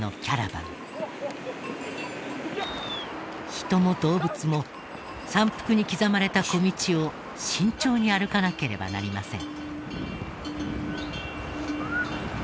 人も動物も山腹に刻まれた小道を慎重に歩かなければなりません。